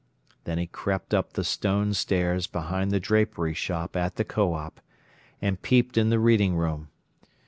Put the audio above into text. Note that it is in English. Then he crept up the stone stairs behind the drapery shop at the Co op., and peeped in the reading room.